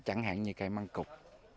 chẳng hạn như cây măng cục